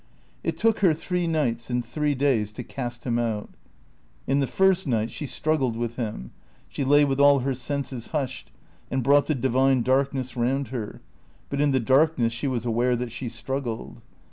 It took her three nights and three days to cast him out. In the first night she struggled with him. She lay with all her senses hushed, and brought the divine darkness round her, but in the darkness she was aware that she struggled.